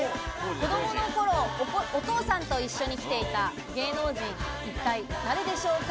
子供の頃、お父さんと一緒に来ていた芸能人、一体誰でしょうか？